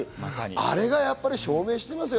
あれがやっぱり証明していますよ。